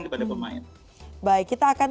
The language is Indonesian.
kepada pemain baik kita akan